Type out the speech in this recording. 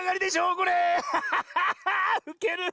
うける！